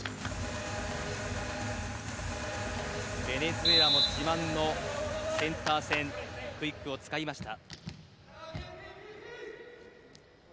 ベネズエラも自慢のセンター線クイックを使いました。